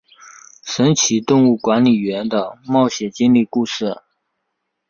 神奇动物管理员的冒险经历故事。